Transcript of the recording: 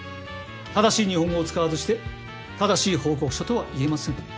正しい日本語を使わずして正しい報告書とは言えません。